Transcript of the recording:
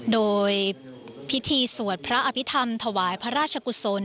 โดยพิธีสวดพระอภิษฐรรมถวายพระราชกุศล